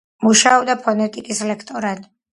მუშაობდა ფონეტიკის ლექტორად.